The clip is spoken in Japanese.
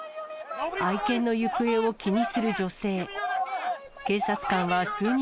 愛犬の行方を気にする女性。